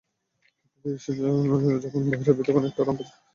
প্রকৃতি যখন বৈরী, একটু আরাম পেতে যন্ত্রের সাহায্য তো নেওয়া যেতেই পারে।